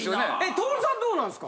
徹さんはどうなんですか？